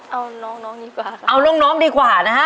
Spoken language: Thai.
เอาน้องน้องดีกว่าเอาน้องดีกว่านะฮะ